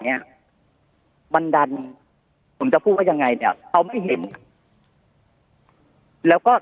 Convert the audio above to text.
เนี้ยมันดันผมจะพูดว่ายังไงเนี่ยเขาไม่เห็นแล้วก็